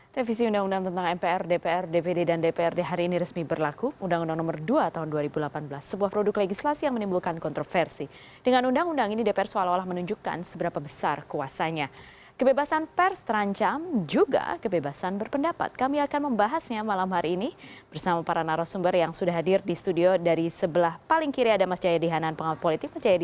dari sebelah paling kiri ada mas jayadi hanan pengawal politik